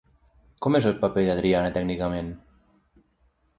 Com és el paper d'Adriana tècnicament?